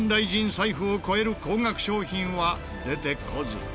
財布を超える高額商品は出てこず。